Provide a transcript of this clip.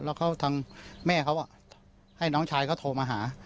แล้วเขาทางแม่เขาให้น้องชายเขาโทรมาหา